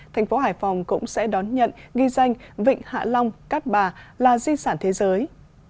thành phố hải phòng cũng sẽ đón nhận ghi danh vịnh hạ long cát bà là di sản thế giới